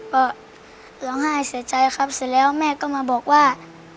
ก็ร้องไห้เสียใจครับเสร็จแล้วแม่ก็มาบอกว่า